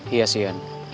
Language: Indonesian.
iya sih yan